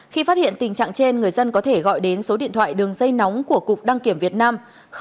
khi phát hiện tình trạng trên người dân có thể gọi đến số điện thoại đường dây nóng của cục đăng kiểm việt nam